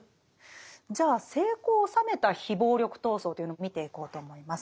じゃあ成功を収めた非暴力闘争というのを見ていこうと思います。